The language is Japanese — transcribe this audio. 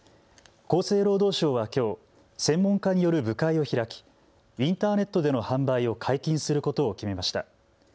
厚生労働省はきょう、専門家による部会を開きインターネットでの販売を解禁することを決めました。